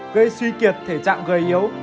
gây suy kiệt thể trạng gây yếu